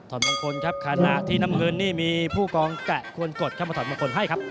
อดมงคลครับขณะที่น้ำเงินนี่มีผู้กองแกะควรกดเข้ามาถอดมงคลให้ครับ